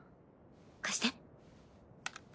貸して。